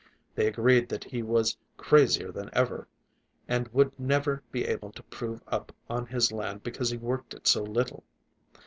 They agreed that he was crazier than ever, and would never be able to prove up on his land because he worked it so little.